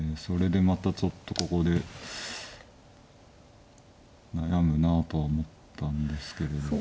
それでまたちょっとここで悩むなあとは思ったんですけれど。